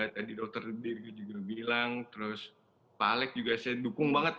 tadi dokter dirgo juga bilang terus pak alex juga saya dukung banget